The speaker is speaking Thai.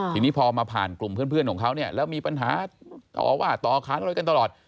ทีนี้พอมาผ่านกลุ่มเพื่อนของเขาเนี่ยแล้วมีปัญหาต่อว่าต่อค้านอะไรกันตลอด